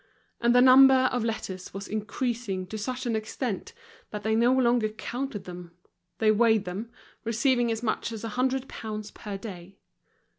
And the number of letters was increasing to such an extent that they no longer counted them; they weighed them, receiving as much as a hundred pounds per day.